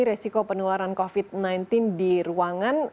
resiko penularan covid sembilan belas di ruangan